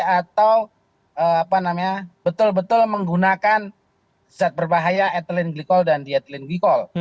atau betul betul menggunakan zat berbahaya ethylene glycol dan diethylene glycol